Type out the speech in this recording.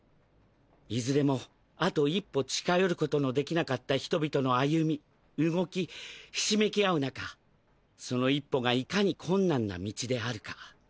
いずれもあと一歩近寄る事のできなかった人々の歩み動きひしめき合う中その一歩が如何に困難な道であるか。